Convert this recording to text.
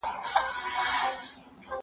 هغه وویل چې زه درس لولم!